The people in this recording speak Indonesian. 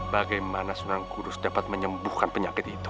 bagaimana sunan kudus dapat menyembuhkan penyakit itu